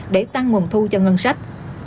để tăng nguồn thu cho ngân sách